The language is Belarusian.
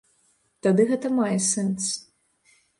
Тады гэта мае сэнс.